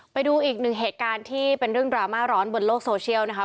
ไปดูอีกหนึ่งเหตุการณ์ที่เป็นเรื่องดราม่าร้อนบนโลกโซเชียลนะคะ